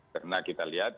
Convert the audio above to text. karena kita lihat